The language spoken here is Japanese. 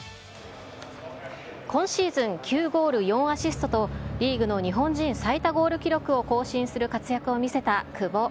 今シーズン、９ゴール４アシストと、リーグの日本人最多ゴール記録を更新する活躍を見せた久保。